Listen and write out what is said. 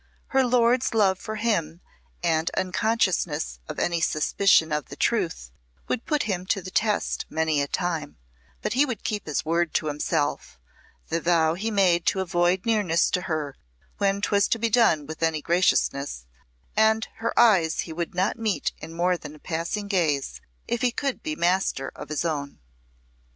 Her lord's love for him and unconsciousness of any suspicion of the truth would put him to the test many a time, but he would keep his word to himself, the vow he made to avoid nearness to her when 'twas to be done with any graciousness, and her eyes he would not meet in more than passing gaze if he could be master of his own.